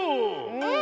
うん！